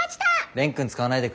蓮くん使わないでくれる？